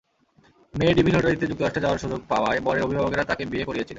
মেয়ে ডিভি লটারিতে যুক্তরাষ্ট্রে যাওয়ার সুযোগ পাওয়ায় বরের অভিভাবকেরা তাঁকে বিয়ে করিয়েছিলেন।